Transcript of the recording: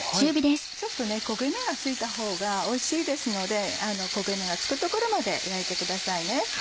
ちょっと焦げ目がついたほうがおいしいですので焦げ目がつくところまで焼いてくださいね。